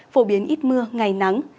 phổ biến ít mưa ngày nắng